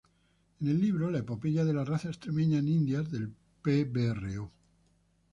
En el libro La epopeya de la raza extremeña en Indias, del pbro.